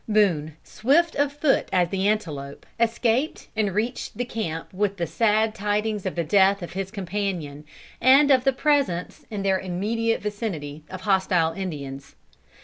Boone, swift of foot as the antelope, escaped and reached the camp with the sad tidings of the death of his companion, and of the presence, in their immediate vicinity, of hostile Indians.